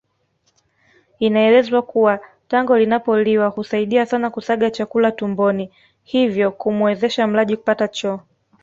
Inaelezwa kuwa tango linapoliwa husaidia sana kusaga chakula tumboni hivyo kumuwezesha mlaji kupata choo